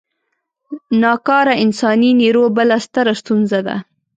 نا کاره انساني نیرو بله ستره ستونزه ده.